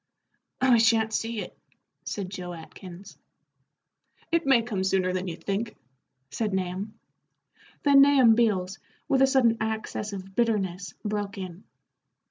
"We sha'n't see it," said Joe Atkins. "It may come sooner than you think," said Nahum. Then Nahum Beals, with a sudden access of bitterness, broke in.